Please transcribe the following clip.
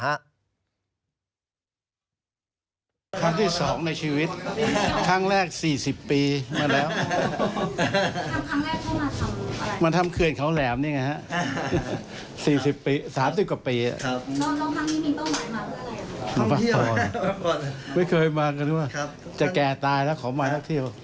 ไม่เคยมากันหรือเปล่าจะแก่ตายแล้วขอมาทักเที่ยว